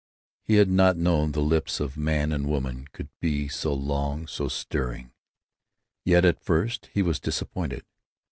He had not known the kiss of man and woman could be so long, so stirring. Yet at first he was disappointed.